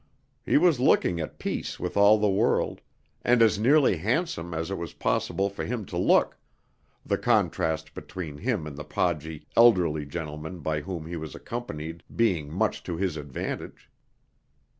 He was looking at peace with all the world, and as nearly handsome as it was possible for him to look, the contrast between him and the podgy, elderly gentleman by whom he was accompanied being much to his advantage.